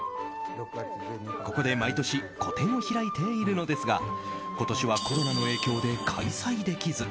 ここで毎年個展を開いているのですが今年はコロナの影響で開催できず。